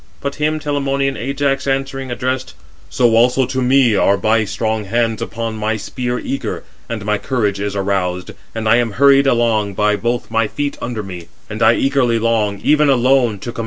But him Telamonian Ajax answering, addressed: "So also to me are my strong hands upon my spear eager, and my courage is aroused, and I am hurried along by both my feet under me; and I eagerly long, even alone, to combat with Hector, the son of Priam, insatiably raging."